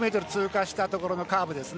１１００ｍを通過したところのカーブ。